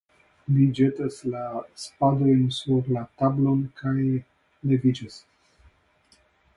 Li ĵetas la spadon sur la tablon kaj leviĝas.